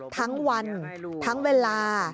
ทั้งวันทั้งเวลา